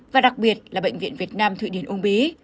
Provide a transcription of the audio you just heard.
và đặc biệt là bệnh viện việt nam thụy điển ung bí